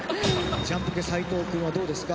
ジャンポケ斉藤君はどうですか？